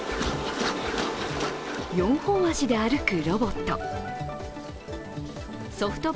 ４本足で歩くロボット。